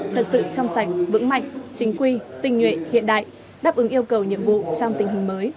thật sự trong sạch vững mạnh chính quy tinh nhuệ hiện đại đáp ứng yêu cầu nhiệm vụ trong tình hình mới